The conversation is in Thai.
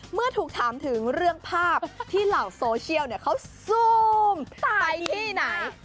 เมื่อถูกถามถึงเรื่องภาพที่เหล่าโซเชียลเขาซูมไปที่ไหน